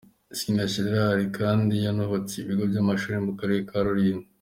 Sina Gérard kandi yanubatse ibigo by’amashuri mu karere ka Rulindo.